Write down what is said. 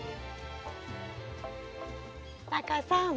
タカさん